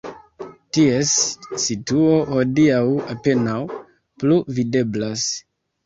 Ties situo hodiaŭ apenaŭ plu videblas.